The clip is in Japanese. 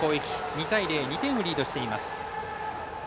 ２対０と２点をリードしています。